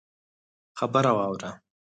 خبره واوره!